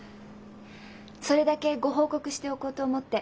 それだけご報告しておこうと思って。